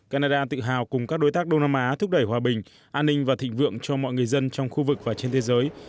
canada tự hào cùng các đối tác đông nam á thúc đẩy hòa bình an ninh và thịnh vượng cho mọi người dân trong khu vực và trên thế giới